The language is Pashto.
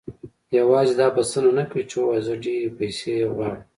يوازې دا بسنه نه کوي چې وواياست زه ډېرې پيسې غواړم.